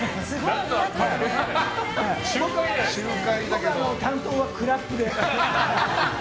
僕の担当はクラップで。